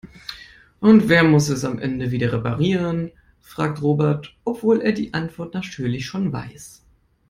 Und wer muss es am Ende wieder reparieren?, fragt Robert, obwohl er die Antwort natürlich schon weiß.